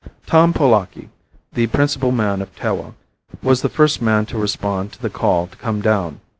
Tom Polaki, the principal man of Tewa, was the first man to respond to the call to come down.